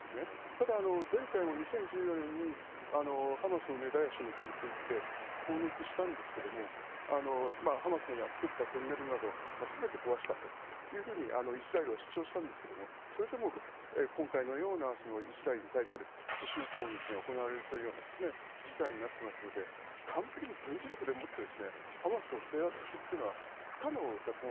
ただ、前回も２０１４年にハマスを根絶やしにするといって攻撃したんですけれども、ハマスが造ったトンネルなど、すべて壊したというふうにイスラエルは主張したんですけれども、それでも今回のようなイスラエルに対する奇襲攻撃が行われるというような事態になってますので、完璧に軍事力でもってハマスを制圧するというのは不可能だと思う